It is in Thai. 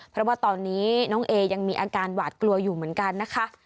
เพราะว่าตอนนี้น้องเอยังมีอาการหวาดกลัวอยู่เหมือนกันนะคะ